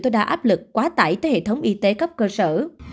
tối đa áp lực quá tải tới hệ thống y tế cấp cơ sở